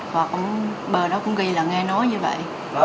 hoặc bờ đó cũng ghi là nghe nói như vậy